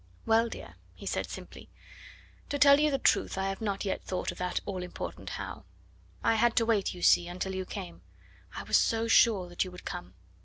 "Well, dear," he said simply, "to tell you the truth I have not yet thought of that all important 'how.' I had to wait, you see, until you came. I was so sure that you would come!